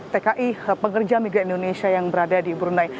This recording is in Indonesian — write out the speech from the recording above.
tki pekerja migran indonesia yang berada di brunei